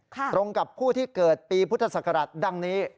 ตรงกับผู้ที่เกิดปีพุทธศักราชดังนี้